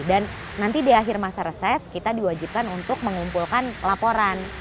dan nanti di akhir masa reses kita diwajibkan untuk mengumpulkan laporan